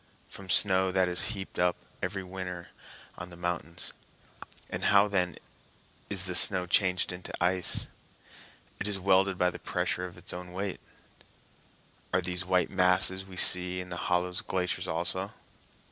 "From snow that is heaped up every winter on the mountains." "And how, then, is the snow changed into ice?" "It is welded by the pressure of its own weight." "Are these white masses we see in the hollows glaciers also?"